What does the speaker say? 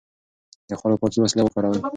د خوړو پاکې وسيلې وکاروئ.